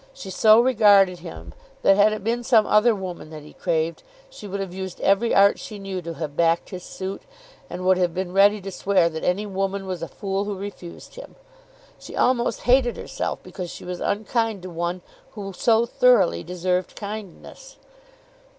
She so regarded him that had it been some other woman that he craved, she would have used every art she knew to have backed his suit, and would have been ready to swear that any woman was a fool who refused him. She almost hated herself because she was unkind to one who so thoroughly deserved kindness.